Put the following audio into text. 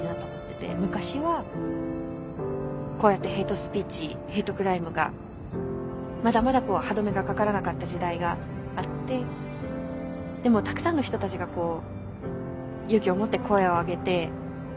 昔はこうやってヘイトスピーチヘイトクライムがまだまだ歯止めがかからなかった時代があってでもたくさんの人たちが勇気を持って声を上げて。